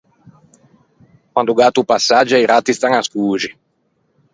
Quando o gatto o passaggia, i ratti stan ascoxi.